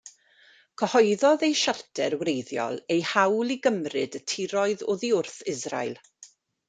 Cyhoeddodd eu Siarter wreiddiol eu hawl i gymryd y tiroedd oddi wrth Israel.